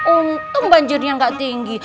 untung banjirnya gak tinggi